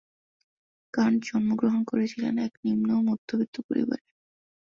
Kant জন্মগ্রহণ করেছিলেন এক নিম্ন মধ্যবিত্ত পরিবারে।